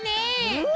うん！